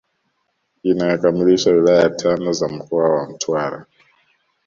Inayokamilisha wilaya tano za mkoa wa Mtwara